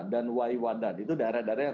dan wai wadan itu daerah daerah yang